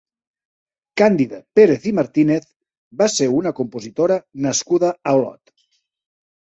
Càndida Pérez i Martínez va ser una compositora nascuda a Olot.